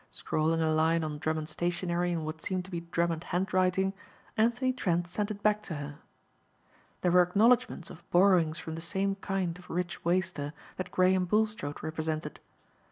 Scrawling a line on Drummond stationery in what seemed to be Drummond handwriting, Anthony Trent sent it back to her. There were acknowledgments of borrowings from the same kind of rich waster that Graham Bulstrode represented.